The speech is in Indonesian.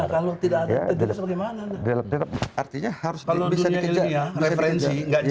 kalau dunia ilmiah referensi nggak jelas